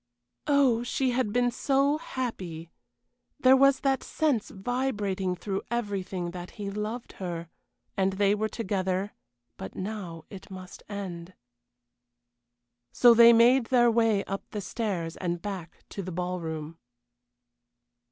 Oh, she had been so happy! There was that sense vibrating through everything that he loved her, and they were together but now it must end. So they made their way up the stairs and back to the ballroom.